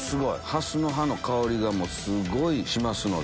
ハスの葉の香りがすごいしますので。